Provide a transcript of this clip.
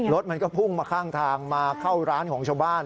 รถมันก็พุ่งมาข้างทางมาเข้าร้านของชาวบ้าน